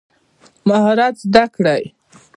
مهارت زده کړئ